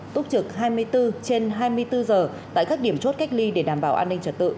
túc trực hai mươi bốn trên hai mươi bốn giờ tại các điểm chốt cách ly để đảm bảo an ninh trật tự